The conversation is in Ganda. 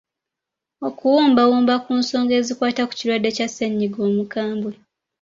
Okuwumbawumba ku songa ezikwata ku kirwadde kya ssennyga omukambwe.